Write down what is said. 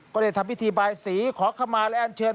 ก็เลยทำพิธีบายสีขอขมาและแอนเชิญ